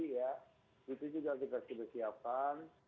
itu juga kita sudah siapkan